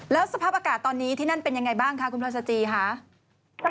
แล้วสภาพอากาศตอนนี้ที่นั่นเป็นยังไงบ้างคะคุณพลอยสจีค่ะ